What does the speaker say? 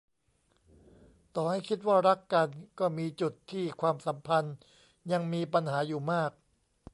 ต่อให้คิดว่ารักกันก็มีจุดที่ความสัมพันธ์ยังมีปัญหาอยู่มาก